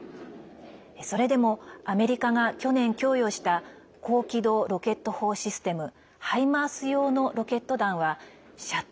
それでもアメリカが去年供与した高機動ロケット砲システムハイマース用のロケット弾は射程